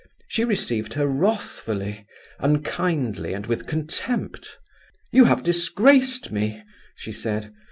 She received her wrathfully, unkindly, and with contempt. 'You have disgraced me,' she said.